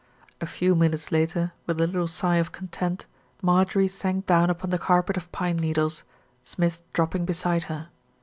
A few minutes later, with a little sigh of content, Marjorie sank down upon the carpet of pine needles, Smith dropping beside her.